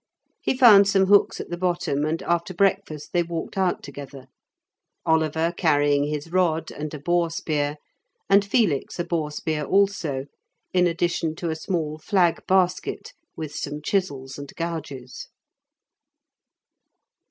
He found some hooks at the bottom, and after breakfast they walked out together, Oliver carrying his rod, and a boar spear, and Felix a boar spear also, in addition to a small flag basket with some chisels and gouges.